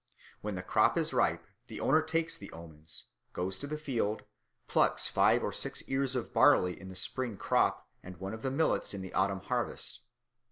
When the crop is ripe, the owner takes the omens, goes to the field, plucks five or six ears of barley in the spring crop and one of the millets in the autumn harvest.